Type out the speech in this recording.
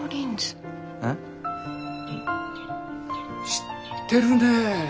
知ってるねえ。